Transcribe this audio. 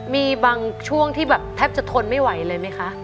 มีบางช่วงที่แบบแทบจะทนไม่ไหวเลยไหมคะ